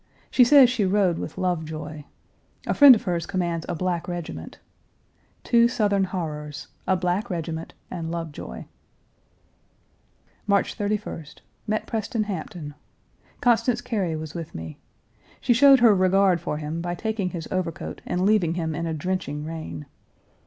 She says she rode with Lovejoy. A friend of hers commands a black regiment. Two Southern horrors a black regiment and Lovejoy. March 31st. Met Preston Hampton. Constance Cary was with me. She showed her regard for him by taking his overcoat and leaving him in a drenching rain.